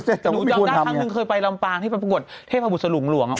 แต่หนูยังว่าหน้าทางหนึ่งเคยไปลำปางที่มันประกวดเทพบุษลุงหลวง